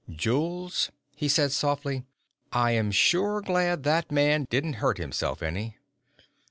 "Jules," he said softly, "I am sure glad that man didn't hurt himself any."